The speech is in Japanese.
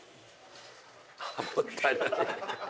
もったいない。